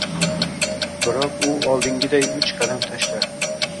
Biroq u oldingiday uch qadam tashlar